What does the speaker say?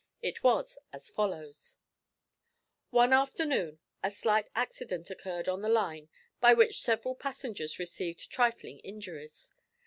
It was as follows: One afternoon a slight accident occurred on the line by which several passengers received trifling injuries.